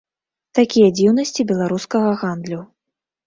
Такія дзіўнасці беларускага гандлю.